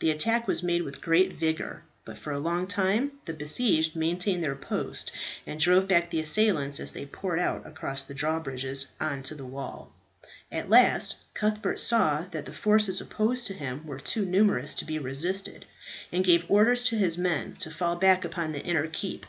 The attack was made with great vigour; but for a long time the besieged maintained their post, and drove back the assailants as they poured out across the drawbridges on to the wall. At last Cuthbert saw that the forces opposed to him were too numerous to be resisted, and gave orders to his men to fall back upon the inner keep.